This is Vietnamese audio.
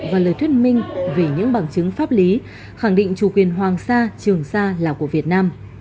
và lời thuyết minh về những bằng chứng pháp lý khẳng định chủ quyền hoàng sa trường sa là của việt nam